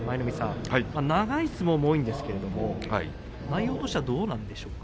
長い相撲も多いんですが内容としてはどうなんでしょうか。